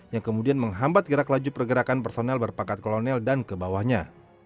yang kemudian menghambat gerak laju pergerakan personel berpangkat kolonel dan ke bawahnya